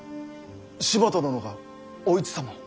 柴田殿がお市様を？